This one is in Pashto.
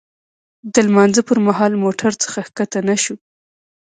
د لمانځه پر مهال موټر څخه ښکته نه شوو.